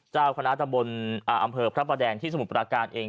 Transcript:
เจ้าคณะตะบนอำเภอพระประแดงที่สมุทรปราการเอง